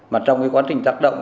mà trong cái quá trình tác động